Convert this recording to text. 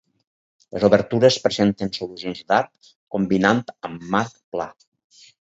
Les obertures presenten solucions d'arc combinant amb marc pla.